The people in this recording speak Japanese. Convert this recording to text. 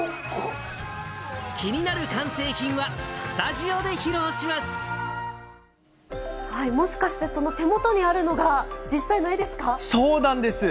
気になる完成品はスタジオでもしかしてその手元にあるのそうなんです。